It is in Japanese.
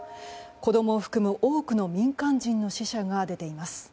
子供を含む多くの民間人の死者が出ています。